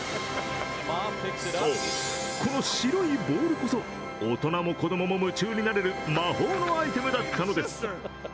そう、この白いボールこそ、大人も子供も夢中になれる魔法のアイテムだったのです。